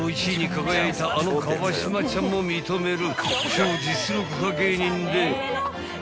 輝いたあの川島ちゃんも認める］